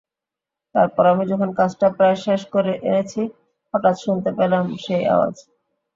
তারপর আমি যখন কাজটা প্রায় শেষ করে এনেছি, হঠাৎ শুনতে পেলাম সেই আওয়াজ।